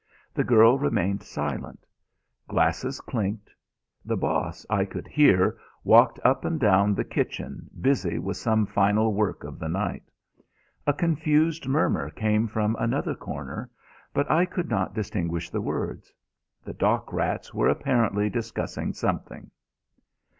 The girl remained silent. Glasses clinked. The Boss, I could hear, walked up and down the kitchen, busy with some final work of the night. A confused murmur came from another corner; but I could not distinguish the words: The dock rats were apparently discussing something.